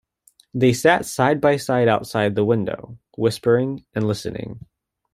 They sat side by side outside the window, whispering and listening.